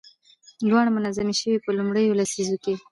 دواړه منظمې شوې. په لومړيو لسيزو کې